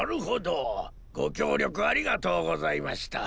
ごきょうりょくありがとうございました。